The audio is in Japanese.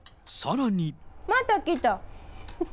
また来た。